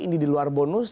ini di luar bonus